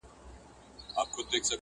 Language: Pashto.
بیا مُلا سو بیا هغه د سیند څپې سوې٫